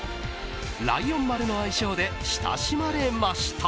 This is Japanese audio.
ライオン丸の愛称で親しまれました。